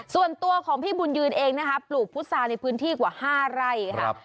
ส่วนตัวของพี่บุญยืนเองนะคะปลูกพุษาในพื้นที่กว่า๕ไร่ค่ะ